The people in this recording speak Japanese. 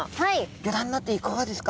ギョ覧になっていかがですか？